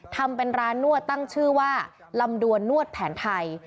ทำเป็นร้านนวดตั้งชื่อว่าลำดวนนวดแผนไทย